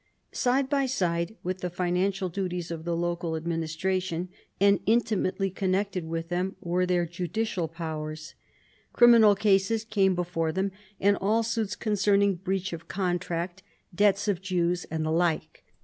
Side by side with the financial duties of the local administration, and intimately connected with them, were their judicial powers. Criminal cases came before them, and all suits concerning breach of contract, debts of Jews, and the like.